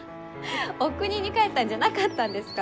おくにに帰ったんじゃなかったんですか？